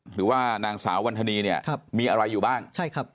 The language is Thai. หรือว่านางสาวบรรษณีย์เนี่ยมีอะไรอยู่บ้าง